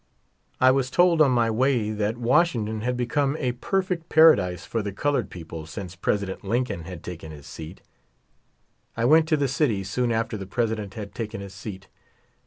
I was told on m}^ way that Washington had become a perfect Paradise for the colored people since President Lincoln had taken his seat. I went to the city soon after the President had taken his seat.